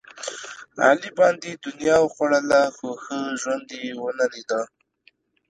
علي باندې دنیا وخوړله، خو ښه ژوند یې ونه لیدا.